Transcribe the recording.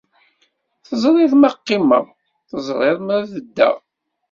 Teẓriḍ ma qqimeɣ, teẓriḍ ma beddeɣ.